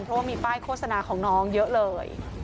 เพราะว่ามีป้ายโฆษณาของน้องเยอะเลย